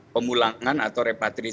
pemulangan atau repatriasi